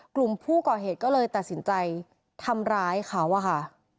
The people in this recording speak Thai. กลุ่มผู้ก่อเหตุก็เลยตัดสินใจทำร้ายเขาอะค่ะ